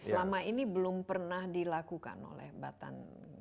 selama ini belum pernah dilakukan oleh batan